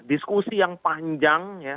diskusi yang panjang ya